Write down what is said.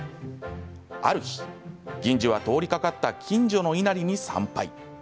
ある日、銀次は通りかかった近所の稲荷に参拝。